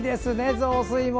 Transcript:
雑炊も！